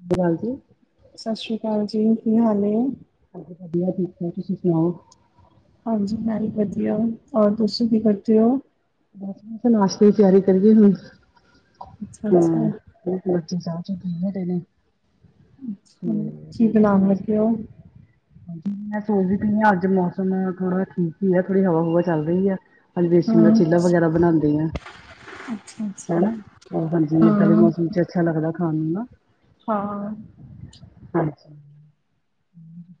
ਸਸ ਸ਼੍ਰੀ ਅਕਾਲ ਜੀ। ਸਸ ਸ੍ਰੀ ਅਕਾਲ ਜੀ ਕੀ ਹਾਲ ਏ। ਭੇਣ ਜੀ ਵਧੀਆ ਠੀਕ ਠਾਕ ਤੁਸੀਂ ਸੁਣਾਓ। ਹਾਂਜੀ ਮੈਂ ਵੀ ਵਧੀਆ ਔਰ ਤੁਸੀਂ ਕੀ ਕਰਦੇ ਔ? ਬਸ-ਬਸ ਨਾਸ਼ਤੇ ਦੀ ਤਿਆਰੀ ਕਰੀਏ ਹੁਣ ਅੱਛਾ-ਅੱਛਾ। ਹੂੰ। ਬੱਚੇ ਚਾ-ਚੁ ਚੋ ਪੀ ਹਟੇ ਨੇ। ਤੇ ਅੱਛਾ ਕੀ ਹੁਣ ਬਸ ਬਨਾਨ ਨਾਸ਼ਤੇ ਲੱਗੇ ਓ। ਹਾਂਜੀ ਮੈਂ ਸੋਚਦੀ ਪਈ ਆ ਅੱਜ ਮੌਸਮ ਥੋੜਾ ਠੀਕ ਹੀ ਹੈ ਥੋੜੀ ਹਵਾ-ਹੂਵਾ ਚੱਲ ਰਹੀ ਐ ਬੇਸਨ ਦਾ ਚੀਲਾ ਵਗੈਰਾ ਬਨਾਂਦੀ ਆ ਅੱਛਾ-ਅੱਛਾ। ਹਨਾ। ਹਾਜੀ ਇਦਾਂ ਦੇ ਮੌਸਮ ਚ ਅੱਛਾ ਲੱਗਦਾ ਖਾਨ ਨੂੰ ਨਾ। ਹਾਂ। ਹਾਂਜੀ।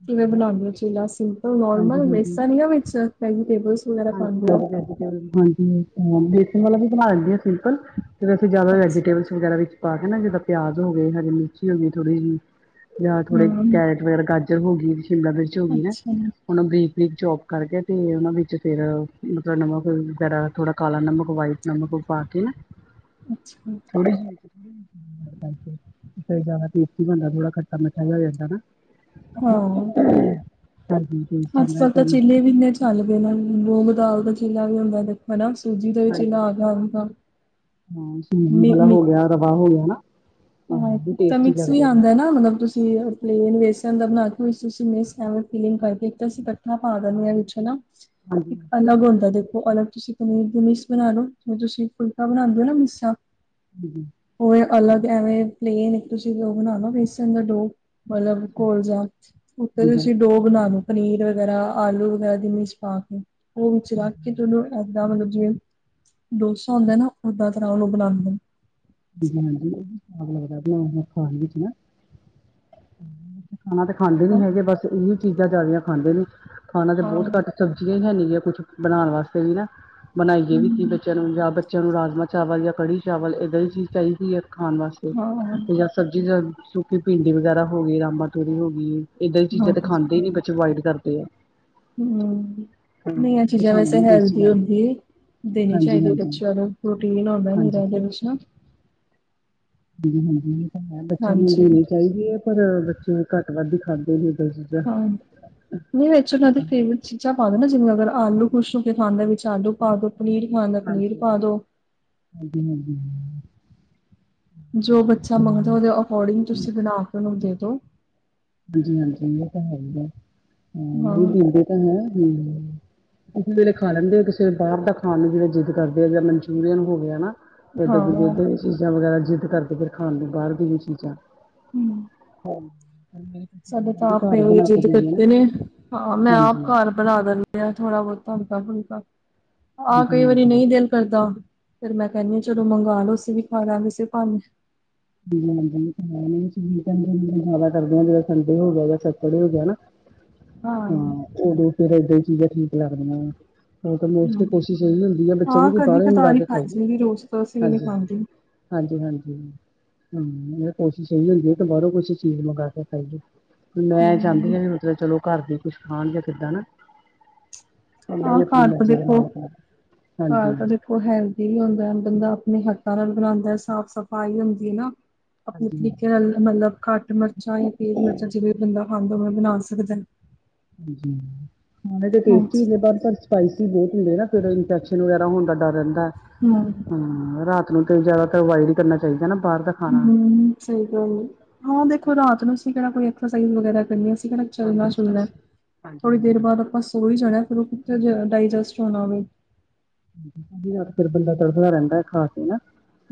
ਕਿਵੇਂ ਬਣਾਉਂਦੇ ਔ ਚੀਲਾ ਸਿੰਪਲ, ਹਾਂਜੀ ਨੋਰਮਲ ਬੇਸਨ ਯਾ ਵਿੱਚ ਵੈਜੀਟੇਬਲ। ਹਾਂਜੀ-ਹਾਂਜੀ ਵੈਜੀਟੇਬਲ ਵੇਸਨ ਵਾਲਾ ਵੀ ਬਣਾ ਲੈਂਦੀ ਆ ਸਿੰਪਲ। ਫੇਰ ਅਸੀਂ ਜਾਦਾ ਅੱਛਾ-ਅੱਛਾ। ਵੈਜੀਟੇਬਲਸ ਵਗੈਰਾ ਵਿੱਚ ਪਾ ਕੇ ਨਾ ਜਿੱਦਾਂ ਪਿਆਜ ਹੋ ਗੇ, ਹਰੀ ਮਿਰਚੀ ਹੋ ਗੀ ਥੋੜ੍ਹੀ ਜੀ। ਯਾ ਥੋੜੇ ਹਾਂ। ਕੈਰਟ ਵਗੈਰਾ ਗਾਜਰ ਹੋ ਗੀ, ਸ਼ਿਮਲਾ ਮਿਰਚ ਹੋ ਗੀ। ਉਹੂੰ ਬਰੀਕ ਬਰੀਕ ਚੋਪ ਕਰਕੇ ਤੇ ਉਨੂ ਵਿੱਚ ਫੇਰ ਮਤਲਬ ਨਮਕ ਵਗੈਰਾ ਥੋੜਾ ਕਾਲਾ ਨਮਕ ਵਾਈਟ ਨਮਕ ਪਾ ਕੇ ਨਾ ਥੋੜੀ ਜੀ ਕਰਕੇ ਫੇਰ ਜਾਦਾ ਟੇਸਟੀ ਬਨਦਾ ਥੋੜਾ ਖੱਟਾ ਮਿੱਠਾ ਜਾ ਹੋ ਜਾਂਦਾ ਨਾ। ਹਾਂ ਹਾਂਜੀ ਟੇਸਟ ਅੱਜ ਆਉਂਦਾ ਹੈ ਕੱਲ ਤਾਂ ਹੀ। ਚੀਲੇ ਬੀਲੇ ਚੱਲ ਪੇ ਨੇ ਮੂੰਗੀਦਾਲ ਦਾ ਚੀਲਾ ਵੀ ਹੁੰਦਾ। ਹਨਾ ਸੂਜੀ ਦਾ ਵੀ ਹਾਂਜੀ ਚਿੱਲਾ ਹਾਂਜੀ ਆ [unintelligible] ਮ ਮੇ ਪ੍ਰਵਾਹ ਹੋਈ ਨਾ। ਹਾਂ ਵੀ ਇੱਕ ਤਾਂ ਟੇਸਟੀ ਮਿਕਸ ਵੀ ਲੱਗਦੇ ਨੇ ਆਂਦਾ ਨਾ ਮਤਲਬ ਤੁਸੀਂ ਪਲੇਨ ਵੇਸਨ ਦਾ ਬਨਾ ਕੇ ਮਿਕ ਫੀਲਿੰਗ ਕਰਕੇ ਇੱਕ ਤਾਂ ਅਸੀਂ ਕੱਠਾ ਪਾ ਦੇਨੇ ਆ ਵਿੱਚ ਹਨਾ। ਹਾਂਜੀ ਇੱਕ ਅਲੱਗ ਹੁੰਦਾ ਦੇਖੋ ਅਲੱਗ ਤੁਸੀਂ ਪਨੀਰ ਦੀ ਮੀਸ ਬਨਾ ਲੋ ਜ ਤੁਸੀਂ ਫੁਲਕਾ ਬਨਾਉਂਦੇ ਹੋ ਨਾ ਮੀਸਾ। ਹੂੰ। ਉਵੇ ਅਲੱਗ ਐਵੇਂ ਪਲੇਨ ਤੁਸੀਂ ਉਹ ਬਨਾ ਲੋ ਬੇਸਨ ਦਾ ਡੋ। ਮਲਬ ਘੋਲ ਜਾ ਇਕ ਤੇ ਹਾਂਜੀ ਤੁਸੀਂ ਡੋ ਬਨਾ ਲੋ। ਪਨੀਰ ਵਗੈਰਾ ਆਲੂ ਵਗੈਰਾ ਦੀ ਮੀਸ ਪਾ ਕੇ ਉਹ ਵਿੱਚ ਰੱਖ ਕੇ ਓਨੂ ਦਾ ਮਤਲਬ ਜਿਵੇਂ ਡੋਸਾ ਹੁੰਦਾ ਨਾ ਉਦਾ ਬਨਾਉ ਲੋ ਬਨਾਂਦੇ ਨੇ। ਬਜਾਰੀ [unintelligible] ਲਗਦਾ ਪਿਆ ਖਾਨ ਵਿੱਚ ਨਾ। ਖਾਣਾ ਤੇ ਖਾਂਦੇ ਹਾਂ ਨੀ ਹੈਗੇ ਬਸ ਇਹੀ ਚੀਜ਼ਾਂ ਜਾਆਦੀਆਂ ਖਾਂਦੇ ਨੀ ਖਾਣਾ ਤੇ ਹਾਂ ਬੋਤ ਘੱਟ [unintelligible] ਹੈਨੀ ਗਿਆ ਕੁੱਛ ਬਨਾਨ ਵਾਸਤੇ ਵੀ ਨਾ ਬਨਾਈਏ ਵੀ ਕੀ ਹਮ, ਬੱਚਿਆਂ ਨੂੰ ਜਾਂ ਬੱਚਿਆਂ ਨੂੰ ਰਾਜਮਾ ਚਾਵਲ ਯਾ ਕੜੀ ਚਾਵਲ ਏਦਾਂ ਹੀ ਚੀਜ਼ ਚਾਈਦੀ ਹੈ ਖਾਣ ਵਾਸਤੇ ਹਾਂ ਹਾਂ ਤੇ ਯਾ ਸਬਜ਼ੀ ਯਾ ਸੁਕਿ ਭਿੰਡੀ ਵਗੈਰਾ ਹੋ ਗੀ ਯਾ ਮਟਰੀ ਹੋ ਗੀ। ਏਦਾਂ ਦੀ ਚੀਜਾ ਤੇ ਹਾਂਜੀ, ਖਾਂਦੇ ਈ ਨੀ ਬੱਚੇ ਅਵਾਇਡ ਕਰਦੇ ਆ। ਹੂੰ ਹਾਂ, ਨਈ ਐ ਚੀਜਾਂ ਸਾਨੂੰ ਵੈਸੇ ਨੀ ਟੇਸਟੀ ਹੈਲਦੀ ਲੱਗਦੀ ਹੁੰਦੀ ਏ। ਦੇਨੀ ਹਾਂਜੀ ਚਾਈਦੀ ਏ ਹਾਂਜੀ ਬੱਚਿਆਂ ਨੂੰ ਪ੍ਰੋਟੀਨ ਹੁੰਦਾ ਹਾਂਜੀ ਨਿਰਾ ਏਦੇ ਵਿੱਚ ਨਾ। ਹਾਂਜੀ ਹਾਂਜੀ ਏ ਤਾਂ ਹੈ ਬੱਚਿਆਂ ਨੂੰ ਹਾਂਜੀ ਦੇਣੀ ਚਾਈਦੀ ਐ ਪਰ ਬੱਚੇ ਘੱਟ ਵੱਧ ਈ ਖਾਂਦੇ ਨੇ ਏਦਾ ਦੀ ਚੀਜਾਂ। ਹਮ। [inaudible] ਨੀ ਵਿੱਚ ਉਨਾਂ ਦੀ ਫੇਵਰੇਟ ਚੀਜ਼ਾਂ ਪਾ ਦੋ ਨਾ ਜਿਵੇਂ ਅਗਰ ਆਲੂ ਖੁਛ ਹੋ ਕੇ ਖਾਂਦੇ ਵਿੱਚ ਆਲੂ ਪਾ ਦੋ। ਪਨੀਰ ਖਾਂਦਾ ਪਨੀਰ ਹਾਂਜੀ ਪਾ ਦੋ। ਹਾਂਜੀ ਹਾਂਜੀ। ਜੋ ਬੱਚਾ ਮੰਗਦੈ ਓਦੇ ਅਕੋਰਡਿੰਗ ਤੁਸੀ ਬਨਾ ਕੇ ਉਨੂੰ ਦੇ ਦੋ। ਹਾਂਜੀ ਹਾਂਜੀ ਏ ਤਾਂ ਹੈ ਈ ਐ ਅ ਨਈ ਹਾਂ, ਦੇਂਦੇ ਤਾਂ ਹੈ ਕਿਸੇ ਵੇਲੇ ਖਾ ਲੈਂਦੇ ਆ ਕਿਸੇ ਵੇਲ ਬਾਰ ਦਾ ਖਾਣ ਨੂੰ ਜਿਵੇਂ ਜਿੱਦ ਕਰਦੇ ਆ ਜੇ ਮਨਚੂਰੀਅਨ ਹੋ ਗਿਆ ਨਾ ਏਧਰ ਹਾਂ ਤੇ ਏਧਾਂ ਦੀ ਚੀਜਾਂ ਵਗੈਰਾ ਜਿੱਦ ਕਰਦੇ ਫੇਰ ਖਾਣ ਦੀ ਬਾਰ ਦੀ ਵੀ ਚੀਜ਼ਾਂ। ਹੂੰ ਹਾਂ [inaudible] ਸਾਡੇ ਤਾਂ ਆਪ ਘਰ ਇਹੀ ਬਣਾ ਕੇ ਜਿੱਦ ਦੇਈਏ ਨਾ ਕਰਦੇ ਨੇ ਹਾਂ ਮੈਂ ਆਪ ਹਾਂਜੀ ਘਰ ਬਣਾ ਦੇਨੇ ਆਂ ਥੋੜਾ ਬੌਤਾ ਹਲਕਾ ਫੁਲਕਾ ਆ ਹਾਂਜੀ ਕਈ ਵਾਰੀ ਹਾਂਜੀ ਨਈ ਦਿਲ ਕਰਦਾ ਫੇਰ ਮੈ ਕੈਨੀ ਚਲੋ ਮੰਗਵਾ ਲੋ ਅਸੀ ਵੀ ਖਾ ਲਾਂਗੇ ਏਸੇ ਭਾਨੇ। ਹਾਂਜੀ ਹਾਂਜੀ [unintelligible] ਜ਼ਿਆਦਾ ਕਰਦੇ ਜਦੋ ਸੰਡੇ ਹੋ ਗਿਆ ਯਾ ਸੈਟਰਡੇ ਹੋ ਗਿਆ ਨਾ। [inaudible] ਹਾਂ ਓਦੋ ਫੇਰ ਏਦਾਂ ਈ ਚੀਜਾਂ ਠੀਕ ਲੱਗਦੀਆਂ ਵਾ। ਓ ਤਾਂ ਮੋਸਟਲੀ ਕੋਸ਼ਿਸ਼ ਏ ਈ ਹੁੰਦੀ ਆ ਬੱਚਿਆਂ ਦੀ ਹਾਂ ਵੀ ਕਦੀ ਬਾਹਰੋ ਮੰਗਵਾ ਕਦਾਰ ਹੀ ਕੇ ਖਾਈ ਖਾਈਏ ਜਾਈਦੀ ਰੋਜ਼ ਤਾਂ ਅਸੀਂ ਵੀ ਨੀ ਹਾਂਜੀ ਖਾਂਦੇ। ਹੂੰ। ਹਾਂਜੀ ਹਾਂਜੀ ਹੁੰ ਏ ਕੋਸ਼ਿਸ਼ ਐਈ ਹੁੰਦੀ ਏ ਕਿ ਬਾਹਰੋ ਕੁਛ ਚੀਜ਼ ਮੰਗਾ ਕੇ ਖਾਈਏ। ਮੈਂ ਚਾਂਦੀ ਆਂ ਮਤਲਬ ਚਲੋ ਘਰ ਦੇ ਕੁਛ ਖਾਣ ਗੇ ਕਿੱਦਾਂ ਨਾ। ਪਰ ਨਈ ਆਹ ਆਪਨੀ ਘਰ ਤਾਂ ਮਰਜੀ ਦੇ ਮਾਲਕ ਨੇ ਹਾਂਜੀ। ਓ ਹੈਲਦੀ ਵੀ ਹੁੰਦੈ ਬੰਦਾ ਅਪਨੇ ਹੱਥਾਂ ਨਾਲ ਬਣਾਂਦੈ ਸਾਫ਼ ਸਫ਼ਾਈ ਹੁੰਦੀ ਨਾ ਅਪਨੇ ਹਾਂਜੀ-ਹਾਂਜੀ, ਤਰੀਕੇ ਨਾਲ ਹਾਂਜੀ। ਮਤਲਬ ਘੱਟ ਮਰਚਾਂ ਜਾਂ ਤੇਜ ਮਰਚਾਂ ਜਿਵੇਂ ਬੰਦਾ ਖਾਂਦਾ ਓਂਵੇ ਬਣਾ ਸਕਦੇ ਨ। ਹਾਂਜੀ ਹਾਂ ਹੁੰਦੇ ਤੇ ਹਾਂਜੀ, ਟੇਸਟੀ ਜੇ ਪਰ ਸਪਾਈਸੀ ਬੌਤ ਹੁੰਦੇ ਨਾ ਫੇਰ ਇੰਫੈਕਸ਼ਨ ਵਗੈਰਾ ਹੋਨ ਦਾ ਡ ਰੈਂਦਾ ਹੁੰ ਰਾਤ ਨੂੰ ਤੇ ਜਿਆਦਾਤਰ ਅਵਾਇਡ ਕਰਨਾ ਚਾਈਦਾ ਨਾ ਬਾਰ ਦਾ ਖਾਣਾ। ਹੁੰ ਸਈ ਗੱਲ ਏ ਹਾਂ ਦੇਖੋ ਰਾਤ ਨੂੰ ਅਸੀ ਕੇੜਾ ਕੋਈ ਐਕਸਰਸਾਈਜ਼ ਵਗੈਰਾ ਕਰਨੀ ਐ ਹਾਂ ਚੱਲਨਾ ਬਸ ਬਸ ਚੁੱਲਨਾ ਏ ਹਾਂਜੀ ਥੋੜੀ ਦੇਰ ਬਾਅਦ ਹਾਂਜੀ। ਆਪਾਂ ਸੋ ਈ ਜਾਣਾ ਏ ਫਿਰ ਓ ਕਿੱਥੇ ਡਾਈਜੈਸਟ [unintelligible] ਅਕਸਰ ਬੰਦਾ ਤੜਫਦਾ ਰੈਂਦਾ ਐ ਖਾ ਕੇ ਨਾ।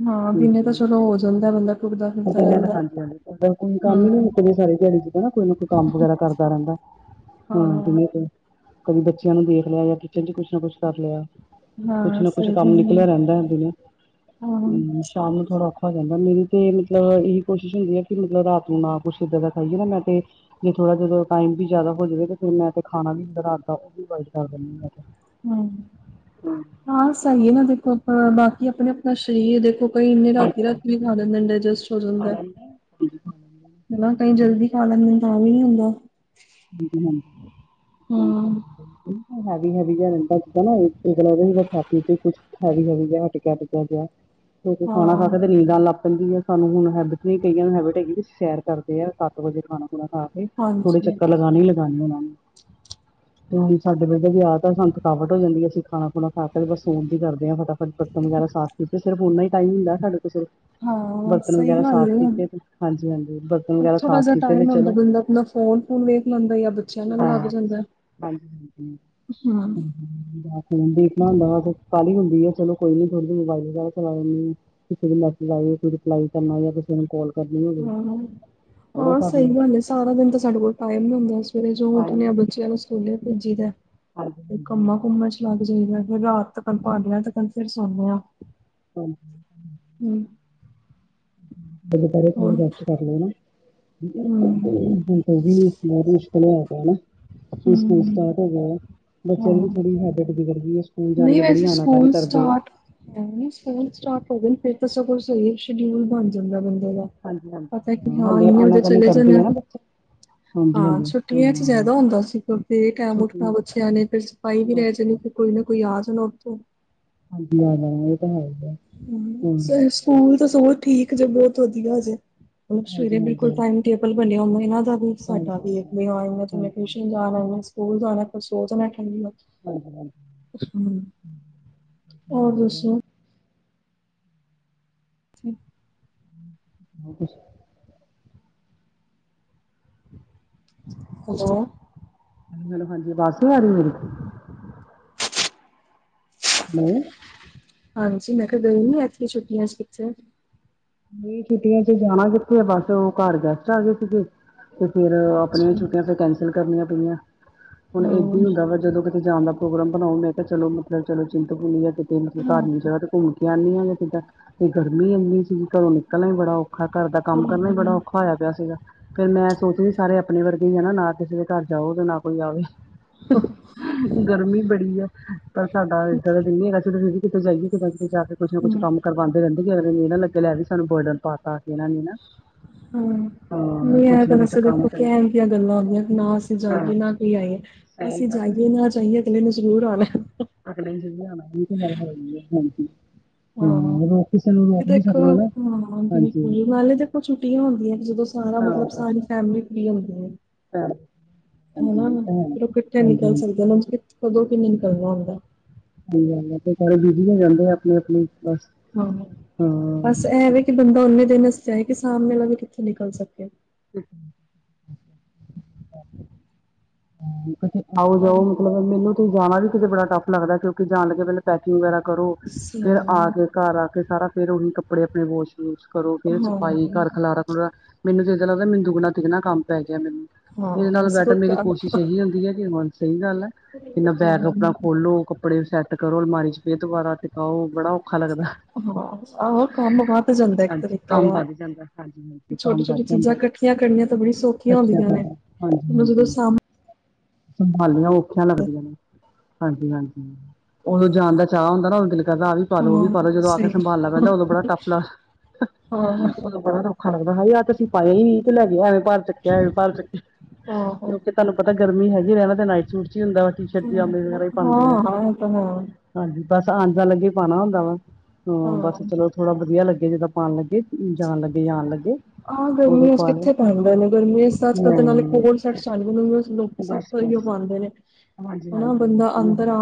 ਹਾਂ ਦੀਨੇ ਤਾ ਚਲੋ ਹੋ ਜਾਂਦੈ ਬੰਦਾ ਟੁਰਦਾ ਓ ਫਿਰਦਾ ਕੈਂਦਾ ਰਹਿੰਦਾ। ਹਾਂਜੀ ਹਾਂਜੀ ਕੋਈ ਕੰਮ ਈ ਨੀ ਹੂੰ ਮੁਕਦੇ ਸਾਰੀ ਦਿਆੜੀ ਚ ਕੋਈ ਨਾ ਕੋਈ ਕੰਮ ਵਗੈਰਾ ਕਰਦਾ ਰੈਂਦਾ ਹਾਂ ਜਿਵੇਂ [unintelligible] ਕਦੇ ਬੱਚਿਆਂ ਨੂੰ ਦੇਖ ਲਿਆ ਜਾਂ ਕਿਚਨ ਚ ਕੁਛ ਨਾ ਕੁਛ ਕਰ ਲਿਆ ਕੁਛ ਹਾਂ ਨਾ ਕੁਛ ਸਹੀ ਕੰਮ ਗੱਲ ਨਿਕਲਿਆ ਰੈਂਦਾ ਏ ਇਨ ਦਿਨੋ ਹਾਂ। ਹੁੰ ਸ਼ਾਮ ਨੂੰ ਥੋੜਾ ਹੋ ਜਾਂਦਾ ਮੇਰੀ ਤੇ ਮਤਲਬ ਏਹੀ ਕੋਸ਼ਿਸ਼ ਹੁੰਦੀ ਐ ਕਿ ਮਤਲਬ ਰਾਤ ਨੂੰ ਨਾ ਕੁੱਛ ਇੱਦਾਂ ਦਾ ਖਾਈਏ ਨਾ ਮੈਂ ਤੇ ਜੇ ਥੋੜਾ ਜਦੋਂ ਟਾਈਮ ਵੀ ਜਆਦਾ ਹੋ ਜਾਵੇ ਤੇ ਫਿਰ ਮੈਂ ਖਾਣਾ ਵੀ ਰਾਤ ਦਾ ਓਵੀ ਅਵੋਇਡ ਕਰ ਦੇਨੀ ਮੈ ਤੇ। ਹੁੰ ਹਾਂ ਸਹੀ ਐ ਨਾ ਦੇਖੋ ਆ ਬਾਕੀ ਆਪਣੇ ਆਪਣਾ ਸਰੀਰ ਦੇਖੋ ਕਈ ਇੰਨੇ ਰਾਤੀ ਰਾਤੀ ਵੀ ਖਾ ਲੈਂਦੇ ਡਇਸਜੈਸਟ ਹੋ ਜਾਂਦੈ। [inaudible] ਹਨਾ ਕਈ ਜਲਦੀ ਖਾ ਲੈਂਦੇ ਤਾਂ ਵੀ ਨੀ ਹੁੰਦਾ [unintelligible] ਹੂੰ ਹੈਵੀ ਹੈਵੀ ਜੇਆ ਰੈਂਦਾ ਜਿਦਾ ਨਾ ਉਲਟੀ ਤਰਾਂ ਰੇਂਦਾ ਖਾ ਪੀਕੇ ਕੁਛ। ਹੈਵੀ ਹੈਵੀ ਜਿਹਾ ਖਾਣਾ ਖਾ ਹਾਂ। ਕੇ ਨੀਂਦ ਆਨ ਆ ਸਾਨੂੰ ਹੁਣ ਹੈਬਿਟ ਨਹੀਂ ਕਈਆਂ ਨੂੰ ਹੈਬਿਟ ਹੈਗੀ ਸ਼ੇਅਰ ਕਰਦੇ ਆ ਸੱਤ ਵਜੇ ਖਾਣਾ ਥੋੜਾ ਖਾ ਕੇ ਥੋੜੇ ਹਾਂਜੀ ਚੱਕਰ ਲਗਾਣੇ ਹੀ ਲਗਾਣੇ ਉਹਨਾ ਨੂੰ ਤ ਸਾਡੇ ਵਰਗੇ ਦੀ ਆਦਤ ਹੈ ਸਾਨੂੰ ਥਕਾਵਟ ਹੋ ਜਾਂਦੀ ਏ, ਅਸੀਂ ਖਾਣਾ ਖੁਣਾ ਖਾ ਕੇ ਬਸ ਸਣ ਦੀ ਕਰਦੇ ਹਾਂ ਫਟਾ ਬਰਤਨ ਵਗੈਰਾ ਸਾਫ਼ ਕੀਤੇ, ਸਿਰਫ ਉਹਨਾ ਹੀ ਟਾਈਮ ਹੁੰਦਾ ਸਾਡੇ ਕੋਲ ਸਿਰਫ। ਹਾਂ, ਬਰਤਨ ਸਹੀ ਵਗੈਰਾ ਗੱਲ ਸਾਫ਼ ਕੀਤੇ ਤੇ ਹਾਂਜੀ ਹਾਂਜੀ ਬਰਤਨ ਏ। ਵਗੈਰਾ ਥੋੜਾ ਸਾਫ਼ ਜਿਹਾ ਕੀਤੇ ਤੇ ਟਾਈਮ ਚਲੋ ਹੁੰਦਾ ਲਫ-ਲਫ। ਫੋਨ-ਫੋਨਾਂ ਵੇਖ ਲੈਂਦਾ, ਜਾਂ ਬੱਚਿਆਂ ਨਾਲ ਲੱਗ ਹਾਂ ਜਾਂਦਾ। ਹਾਂਜੀ ਹਾਂਜੀ ਹੂਂ ਹਮ, ਦੇਖਣਾ ਹੁੰਦਾ ਵਾ ਕਾਹਲੀ ਹੁੰਦੀ ਆ, ਚਲੋ ਕੋਈ ਨੀ ਥੋਡੀ ਦੇਰ ਮੋਬਾਈਲ ਵਗੈਰਾ ਚਲਾ ਲੈਂਦੇ ਆ। ਕਿਸੇ ਦੇ ਮੈਸੇਜ ਆਏ ਰਿਪਲਾਈ ਕਰਨਾ ਤੇ ਕਿਸੇ ਨੂੰ ਕੋਲ। ਹਾਂ, ਹਾਂ ਸਹੀ ਲਓ ਗੱਲ ਏ। ਸਾਰਾ ਦਿਨ ਤਾਂ ਸਾਡੇ ਕੋਲ ਟਾਈਮ ਨੀ ਹੁੰਦਾ, ਸਵੇਰੇ ਜੋ ਉੱਠਣੇ ਆ ਹਾਂਜੀ ਬੱਚਿਆਂ ਨੂੰ ਸਕੂਲੇ ਭੇਜੀ ਦਾ। ਹਾਂਜੀ ਹਾਂਜੀ ਕੰਮਾ ਹਾਂਜੀ ਕੁਮਾ ਚ ਲੱਗ ਜਾਈਦਾ, ਫਿਰ ਰਾਤ ਤੱਕ ਭਾਂਡਿਆ ਤੱਕ, ਫਿਰ ਸੌਦੇ ਹਾਂ। ਹੁਣ। ਹੂੰ। ਦਿਨ ਭਰ ਹੋਰ ਦੀ ਰੈਸਟ, ਕਰ ਰਹੀਆਂ ਠੀਕ ਹੈ। ਹੂੰ ਉਹ ਵੀ ਵੈਨਿਸ਼ ਕਲਰ ਨਾ ਹਟਾਨਾ, ਸਕੂਲ ਹੂੰ ਸਟਾਰਟ ਹੋ ਗਿਆ। ਬੱਚਿਆਂ ਦੀ ਵੀ ਹਾਂ ਥੋੜੀ ਹੈਬਿਟ ਬਗੜ ਗਈ ਹੈ। ਸਕੂਲ ਜਾਣ ਦੀ ਬੜੀ ਵੈਸੇ ਆਾਨਕਾਰੀ ਸਕੂਲ ਕਰਦੇ ਆ। ਸਟਾਰਟ ਨਹੀਂ ਸਕੂਲ ਸਟਾਰਟ ਹੋ ਜਾਨ। ਫਿਰ ਤਾਂ ਸਗੋਂ ਸਹੀ ਸ਼ਡਿਊਲ ਬਣ ਜਾਂਦਾ ਬੰਦੇ ਦਾ। ਹਾਂਜੀ ਪਤਾ ਹਾਂਜੀ ਕੀ ਹਾਂ, ਹਾਲੇ ੳਨੇ ਉਦੇ ਆਨਾਕਾਨੀ ਚਲੇ ਕਰਦੇ ਜਾਣਾ। ਆ ਨਾ ਬੱਚੇ ਹਾਂਜੀ ਹਾਂ, ਹਾਂਜੀ ਛੁੱਟੀਆਂ ਚ ਹਮ ਜ਼ਿਆਦਾ ਹੁੰਦਾ ਸੀ। ਕਿਉਂਕਿ, ਬੇਟੈਮ ਉੱਠਣਾ ਛੁੱਟੀਆਂ 'ਚ ਬੱਚਿਆਂ ਨੇ, ਫਿਰ ਸਫਾਈ ਵੀ ਬਸ ਰਹਿ ਜਾਣੀ। ਬਸ ਕੋਈ ਨਾ ਕੋਈ ਆ ਜਾਣਾ ਉੱਤੋਂ। ਹਾਂਜੀ, ਹਾਂ, ਇਹ ਤਾਂ ਹੈ ਏ। ਹੂੰ, ਸਕੂਲ ਤਾਂ ਚਲੋ ਠੀਕ ਜੇ, ਬਹੁਤ ਵਧੀਆ ਜੇ ਸਵੇਰੇ ਹਾਂਜੀ ਹਾਂਜੀ ਬਿਲਕੁਲ ਹਾਂਜੀ ਟਾਈਮ ਟੇਬਲ ਬਣਿਆ ਐ ਇਹਨਾਂ ਦਾ ਵੀ। ਸਾਡਾ ਹਾਂਜੀ ਵੀ ਮੈਂ, ਹਾਂਜੀ ਟਿਊਸ਼ਨ ਜਾਣਾ, ਸਕੂਲ ਜਾਣਾ, ਫਿਰ ਸੋਚਣਾ ਠੰਡ ਹਾਂਜੀ ਹਾਂਜੀ ਹੋਰ ਦੱਸੋ। ਜੀ। ਬੂਟੀ, [unintelligible] ਹੋਲੈ। ਹਾਂਜੀ, ਦਸ ਵਜ ਗਏ ਨੇ। ਨਹੀਂ। ਹਾਂਜੀ, ਮੈਂ ਕਿਹਾ ਗਈ ਨਹੀਂ ਐਤਕੀ ਛੁੱਟੀਆਂ ਚ ਪਿਕਚਰ। ਨਹੀਂ ਛੁੱਟੀਆਂ ਚ ਜਾਣਾ ਕਿੱਥੇ ਆ। ਬਸ ਉਹ ਘਰ ਗੈਸਟ ਆ ਗਏ ਸੀਗੇ। ਫਿਰ ਆਪਣੀਆਂ ਅੱਛਾ। ਛੁੱਟੀਆਂ, ਫਿਰ ਕੈਂਸਲ ਕਰਨੀਆਂ ਪਈਆਂ। ਹੁਣ ਇਹ ਵੀ ਹੂੰ, ਹੁੰਦਾ ਵਾ ਜਦੋਂ, ਕਿਤੇ ਜਾਣ ਦਾ ਪ੍ਰੋਗਰਾਮ ਬਣਾਓ। ਮੈਂ ਤਾਂ ਚਲੋ ਮਤਲਬ ਚਲੋ ਚਿੰਤ ਭੂਨੀ ਹੈ। ਤੇ ਹੂੰ, ਪਹਾੜੀ ਜਗਾ ਤੇ ਘੁੰਮ ਕੇ ਆਨੀ ਤਾਂ ਗਰਮੀ ਇੰਨੀ ਸੀ ਘਰੋਂ ਨਿਕਲਣਾ ਹੀ ਬੜਾ ਔਖਾ ਘਰ ਦਾ ਕੰਮ ਕਰਨਾ ਹੀ ਬੜਾ ਔਖਾ ਹੋਇਆ ਪਿਆ ਸੀਗਾ। ਮੈਂ ਸੋਚਦੀ ਸਾਰੇ ਆਪਣੇ ਵਰਗੇ ਹੀ ਹੈ ਨਾ, ਨਾ ਕਿਸੇ ਦੇ ਘਰ ਜਾਓ, ਤੇ ਨਾ ਕੋਈ ਆਵੇ। ਹੂਂ। ਗਰਮੀ ਬੜੀ ਆ ਪਰ, ਸਾਡਾ ਏਦਾਂ ਦਾ ਦਿਨ ਹੈਗਾ। ਅਸੀਂ ਕਿਤੇ ਜਾਈਏ ਕਿਤੇ-ਕਿਤੇ ਜਾ ਕੇ ਕੁਛ ਨਾ ਕੁਛ ਕੰਮ ਕਰਵਾਉਂਦੇ ਰਹਿੰਦੇ ਨਾ ਲੱਗੇ ਲੈ ਵੀ, ਸਾਨੂੰ ਬਰਡਨ ਪਾਤਾ। ਇਹਨਾਂ ਨੇ ਨਾ ਹੂਂ। ਹਾਂ ਨਹੀਂ ਕੁਛ ਨਾ ਆ ਕੁਛ ਸਬ ਕੰਮ ਤੇ ਪੁੱਠੀਆਂ ਸਿੱਧੀਆਂ ਗੱਲਾਂ ਹੁੰਦੀਆਂ ਨਾ ਅਸੀਂ ਹਾਂ ਜਾਈਏ ਨਾ ਕੋਈ ਆਏ। ਸਹੀ ਅਸੀਂ ਗੱਲ ਹੈ ਜਾਈਏ ਨਾ ਜਾਈਏ ਅਗਲੇ ਨੂੰ ਜਰੂਰ ਆਣਾ ਏ। ਅਗਲੇ ਨੇ ਜਰੂਰ ਆਣਾ, ਪਾਏ ਮੂੰਹ ਤੇ ਬੋਲੀਏ ਹਾਂਜੀ। ਹਾਂ-ਹਾਂ, ਹਾਂ ਰੋਕ ਕਿਸੇ ਨੂੰ ਕਿ ਰੋਕ ਨਹੀਂ ਦੇਖੋ ਸਕਦੇ ਨਾ ਹਾਂ ਹਾਂਜੀ ਬਿਲਕੁਲ ਨਾਲੇ ਦੇਖੋ ਛੁੱਟੀਆਂ ਹੁੰਦੀਆਂ ਜਦੋਂ ਸਾਰਾ ਮਤਲਬ ਸਾਰੀ ਫੈਮਲੀ ਫਰੀ ਹੁੰਦੀ ਏ। ਪੜ ਉਹ ਨਾ, ਫਿਰ ਉਹ ਕੱਠੇ ਨਿਕਲ ਸਕਦੇ, ਉਹ ਕਦੋਂ ਕਿ ਨੀ ਨਿਕਲਣਾ ਹੁੰਦਾ। ਸਹੀ ਗੱਲ ਐ ਫਿਰ ਸਾਰੇ ਬਿਜ਼ੀ ਹੋ ਜਾਂਦੇ ਆਪਣੀ-ਆਪਣੀ ਬਸ। ਹਾਂ, ਬਸ ਹਾਂ ਇਹ ਵੇ ਕਿ ਬੰਦਾ ਓਨੇ ਦਿਨ ਦੱਸਿਆ ਹੈ ਕਿ ਸਾਹਮਣੇ ਵਾਲਾ ਵੀ ਕਿੱਥੇ ਨਿਕਲ ਸਕਦਾ। [unintelligible] ਕਿਤੇ ਹਾਂ ਆਓ-ਜਾਓ ਮਤਲਬ ਮੈਨੂੰ ਤੇ ਜਾਣਾ ਵੀ ਕਿਤੇ ਬੜਾ ਟੱਫ ਲੱਗਦਾ ਕਿਉਂਕਿ ਜਾਣ ਲੱਗੇ ਪਹਿਲਾਂ ਪੈਕਿੰਗ ਵਗੈਰਾ ਕਰੋ, ਸਹੀ ਫਿਰ ਗੱਲ ਆ ਕੇ ਹੈ ਘਰ ਆ ਕੇ ਸਾਰਾ ਫੇਰ ਉਹੀ ਕੱਪੜੇ ਆਪਣੇ ਵੋਸ਼ ਯੂਜ ਕਰੋ ਫੇਰ ਸਫਾਈ ਹਾਂ ਘਰ ਖਲਾਰਾ-ਖਲੂਰਾ, ਮੈਨੂੰ ਤੇ ਇੱਦਾਂ ਲੱਗਦਾ ਮੈਨੂੰ ਦੁੱਗਣਾ-ਤਿਗਣਾ ਕੰਮ ਪੈ ਗਿਆ ਮੈਨੂੰ। ਇਹਦੇ ਹਾਂ ਨਾਲ ਬਸ ਬੈਟਰ ਕੋਈ ਮੇਰੀ ਕੰਮ ਕੋਸ਼ਿਸ਼ ਇਹੀ ਹੁੰਦੀ ਹੈ ਕਿ ਮਨ ਸਹੀ ਗੱਲ ਏ। ਏਨਾ ਬੈਗ ਆਪਣਾ ਖੋਲੋ ਕਪ ਕੱਪੜੇ ਸੈੱਟ ਕਰੋ ਅਲਮਾਰੀ 'ਚ ਫਿਰ ਦੁਬਾਰਾ ਟਿਕਾਓ ਬੜਾ ਔਖਾ ਲੱਗਦਾ। ਹਾਂ ਆਹੋ ਕੰਮ ਵੱਧ ਜਾਂਦਾ ਇੱਕ ਹਾਂਜੀ ਤਰੀਕੇ ਕੰਮ ਦਾ ਵਧ ਜਾਂਦਾ ਹਾਂਜੀ-ਹਾਂਜੀ ਕੰਮ ਛੋਟੀ ਵਧ ਛੋਟੀ ਚੀਜ਼ਾਂ ਜਾਂਦਾ। ਇਕੱਠੀਆਂ ਕਰਨੀਆਂ ਤਾਂ ਬੜੀ ਸੌਖੀਆਂ ਅੱਛਾ ਹੁੰਦੀਆਂ ਫਿਰ ਨੇ ਜਦੋਂ ਹਾਂਜੀ-ਹਾਂਜੀ। ਸਾਹਮ ਸੰਭਾਲਣੀਆਂ ਔਖੀਆਂ ਲੱਗਦੀਆਂ ਨੇ। ਹਾਂਜੀ-ਹਾਂਜੀ, ਉਦੋਂ ਜਾਣ ਦਾ ਚਾਅ ਹੁੰਦਾ ਨਾ ਉਦੋ ਤੇ ਕਹਿੰਦਾ ਆਹ ਵੀ ਪਾ ਲੋ ਉਹ ਵੀ ਹਾਂ ਪਾ ਲੋ ਜਦੋਂ ਆ ਕੇ ਸਹੀ ਸੰਭਾਲਣਾ ਪੈਂਦਾ ਉਦੋਂ ਬੜਾ ਟੱਫ ਲਾ, ਹਾਂ ਉਦੋਂ ਬੜਾ ਟੱਫ ਔਖਾ ਲੱਗਦਾ ਹਾਏ ਆਹ 'ਤੇ ਅਸੀ ਪਾਇਆ ਈ ਤੇ ਲੈ ਗਏ ਐਵੇਂ ਭਾਰ ਚੱਕਿਆਂ ਐਵੇਂ ਭਾਰ ਚੱਕਿਆਂ। ਆਹੋ ਕਿਉਂਕਿ ਤੁਹਾਨੂੰ ਪਤਾ ਗਰਮੀ ਹੈਗੀ ਰਹਿਣਾ ਤੇ ਨਾਈਟ ਸੂਟ 'ਚ ਈ ਹੁੰਦਾ ਟੀ ਸ਼ਰਟ ਪਜਾਮੇ ਵਗੈਰਾ ਈ ਹਾਂ ਪਾਂਦੇ ਆ। ਹਾਂ ਇਹ ਤਾਂ ਹੈ ਹਾਂਜੀ ਬਸ ਆਣ-ਜਾਣ ਲੱਗੇ ਹੀ ਪਾਣਾ ਹੁੰਦਾ ਵਾ, ਹਾਂ ਬਸ ਚਲੋ ਥੋੜਾ ਵਧੀਆ ਲੱਗੇ ਜਿੱਦਾਂ ਪਾਣ ਲੱਗੇ। ਜਾਣ ਲੱਗੇ ਜਾਂ ਆਣ ਲੱਗੇ। ਆਹ ਉਦੋਂ ਗਰਮੀਆਂ 'ਚ ਪਾ ਲਏ ਕਿੱਥੇ ਪੈਂਦੇ ਨੇ ਗਰਮੀਆਂ 'ਚ ਅਜਕੱਲ ਤੇ ਨਾਲੇ ਹਮ ਕੋਟ ਸੈਟ ਆਣਗੇ ਉਹਨਾਂ ਨੂੰ ਸਭ ਓਹੀਓ ਪਾਂਦੇ ਨੇ। ਹਨਾ ਹਾਂਜੀ-ਹਾਂਜੀ। ਬੰਦਾ ਅੰਦਰ [unintelligible] ਆ